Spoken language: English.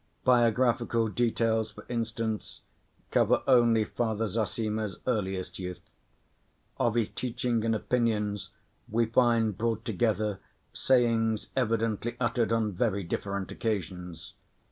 Biographical details, for instance, cover only Father Zossima's earliest youth. Of his teaching and opinions we find brought together sayings evidently uttered on very different occasions.